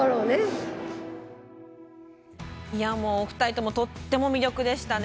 もうお二人ともとっても魅力でしたね。